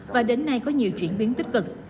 và đến nay có nhiều chuyển biến tích cực